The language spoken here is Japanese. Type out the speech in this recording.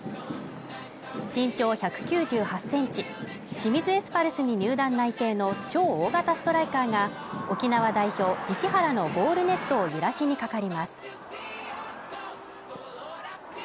身長１９８ｃｍ、清水エスパルスに入団内定の超大型ストライカーが沖縄代表・西原のゴールネットを揺らしにかかります。